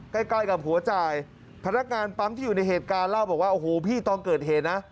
ใกล้ใกล้กับหัวจ่ายพนักงานปั๊มที่อยู่ในเหตุการณ์เล่าบอกว่าโอ้โหพี่ตอนเกิดเหตุนะ